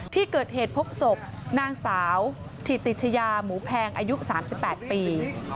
ที่เกิดเหตุพบศพนางสาวถิติชยาหมูแพงอายุ๓๘ปี